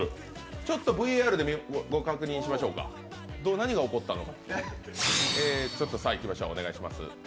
ちょっとＶＡＲでご確認しましょうか何が起こったのか。